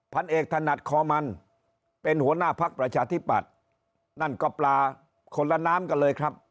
พันเอกถนัดคอมันเป็นหัวหน้าพักประชาธิปัตย์นั่นก็ปลาคนละน้ำกันเลยครับ